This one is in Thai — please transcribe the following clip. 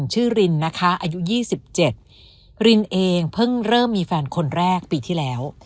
รินนะคะอายุ๒๗รินเองเพิ่งเริ่มมีแฟนคนแรกปีที่แล้ว